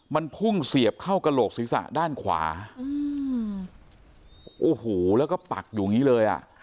มันพุ่งเสียบเข้ากระโหกศิษย์ศาสตร์ด้านขวาอืมโอ้โหแล้วก็ปักอยู่นี้เลยอ่ะ